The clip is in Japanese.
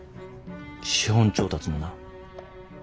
資本調達もな。